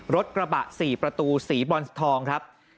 รถกระบะ๔ประตูสีบรอนทองครับ